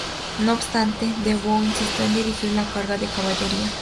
No obstante, de Bohun insistió en dirigir la carga de caballería.